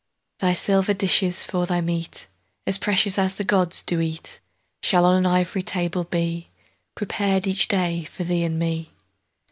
Thy silver dishes for thy meatAs precious as the gods do eat, Shall on an ivory table bePrepared each day for thee and me.